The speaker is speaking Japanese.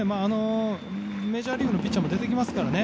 メジャーリーグのピッチャーも出てきますからね。